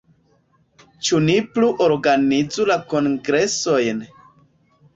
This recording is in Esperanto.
Ĉu ni plu organizu la kongresojn?